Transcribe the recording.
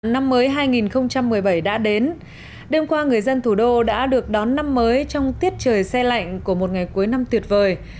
năm mới hai nghìn một mươi bảy đã đến đêm qua người dân thủ đô đã được đón năm mới trong tiết trời xe lạnh của một ngày cuối năm tuyệt vời